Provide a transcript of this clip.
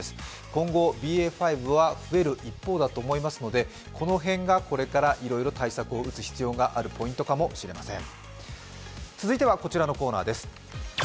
今後、ＢＡ．５は増える一方だと思いますので、この辺がこれからいろいろ対策を打つ必要のあるポイントかもしれません。